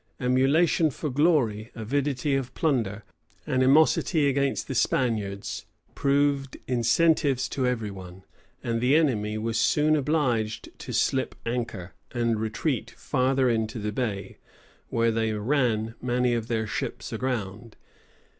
Emulation for glory, avidity of plunder, animosity against the Spaniards, proved incentives to every one; and the enemy was soon obliged to slip anchor, and retreat farther into the bay, where they ran many of their ships aground.